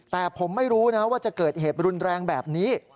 แต่ผมไม่รู้นะว่าจะเกิดเหตุรุนแรงแบบนี้